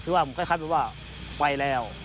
คือว่ามันคล้ายเป็นว่าไปแล้ว